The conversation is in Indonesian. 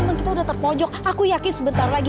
emang kita udah terpojok aku yakin sebentar lagi